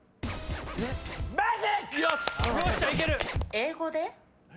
英語で？